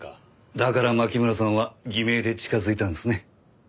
だから牧村さんは偽名で近づいたんですね。